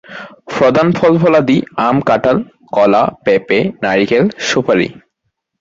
প্রধান ফল-ফলাদি আম, কাঁঠাল, কলা, পেঁপে, নারিকেল, সুপারি।